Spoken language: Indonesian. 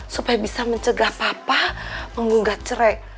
supaya bisa mencegah papa menggugat cerai